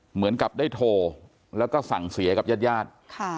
เหมือนกับได้โทรแล้วก็สั่งเสียกับญาติญาติ